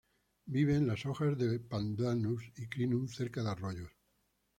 Vive en las hojas de Pandanus y Crinum cerca de arroyos.